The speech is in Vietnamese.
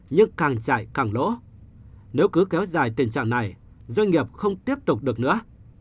nhưng càng chạy càng lỗ nếu cứ kéo dài tình trạng này doanh nghiệp không tiếp tục được nữa